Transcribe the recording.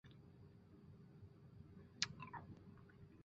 箭叶水苏为唇形科箭叶水苏属下的一个种。